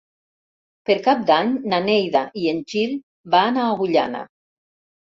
Per Cap d'Any na Neida i en Gil van a Agullana.